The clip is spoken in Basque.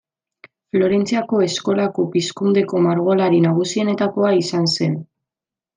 Florentziako eskolako Pizkundeko margolari nagusietakoa izan zen.